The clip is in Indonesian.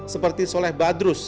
seperti soleh badrus